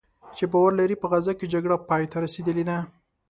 چې باور لري "په غزه کې جګړه پایته رسېدلې ده"